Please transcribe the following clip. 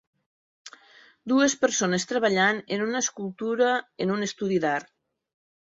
Dues persones treballant en una escultura en un estudi d'art.